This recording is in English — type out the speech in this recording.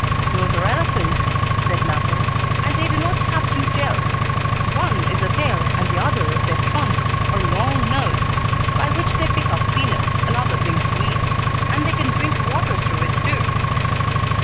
"Those are elephants," said Mappo, "and they do not have two tails. One is a tail, and the other is their trunk, or long nose, by which they pick up peanuts, and other things to eat, and they can drink water through it, too."